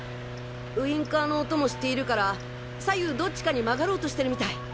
ウインカーの音もしているから左右どっちかに曲がろうとしてるみたい。